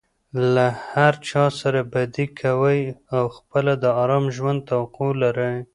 له هرچا سره بدي کوى او خپله د آرام ژوند توقع لري.